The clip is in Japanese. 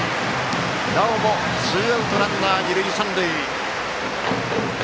なおもツーアウトランナー、二塁三塁。